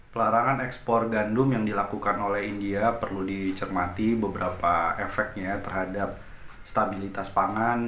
pelarangan ekspor gandum yang dilakukan oleh india perlu dicermati beberapa efeknya terhadap stabilitas pangan